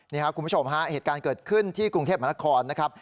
นี่ครับคุณผู้ชมฮะเหตุการณ์เกิดขึ้นที่กรุงเทพมหานครนะครับ